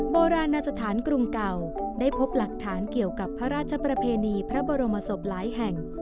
โบราณสถานกรุงเก่าได้พบหลักฐานเกี่ยวกับพระราชประเพณีพระบรมศพหลายแห่ง